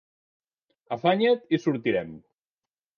Afanya't i sortirem.